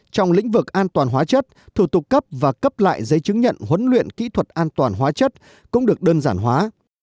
trong lĩnh vực an toàn hóa chất thủ tục cấp và cấp lại giấy chứng nhận huấn luyện kỹ thuật an toàn hóa chất cũng được đơn giản hóa